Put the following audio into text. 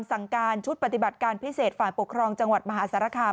สั่งการชุดปฏิบัติการพิเศษฝ่ายปกครองจังหวัดมหาสารคาม